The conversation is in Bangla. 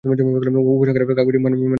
উপসংহার: কাগজ মানবসভ্যতার ধারক ও বাহক।